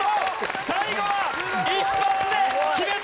最後は一発で決めた！